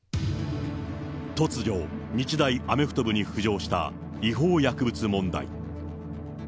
突如、日大アメフト部に浮上した違法薬物問題。